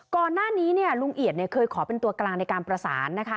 ก่อนหน้านี้ลุงเอียดเคยขอเป็นตัวกลางในการประสานนะคะ